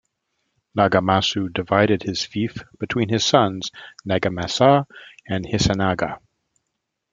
Nagamasu divided his fief between his sons Nagamasa and Hisanaga.